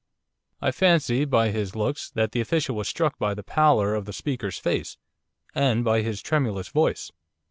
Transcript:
I fancy, by his looks, that the official was struck by the pallor of the speaker's face, and by his tremulous voice.